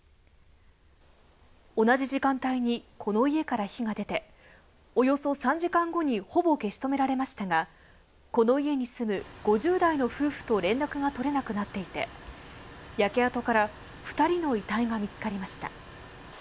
同じ時間帯にこの家から火が出ておよそ３時間後にほぼ消し止められましたが、この家に住む５０代の夫婦と連絡が取れなくなっていて、焼け跡から２人の遺体が見つかりました。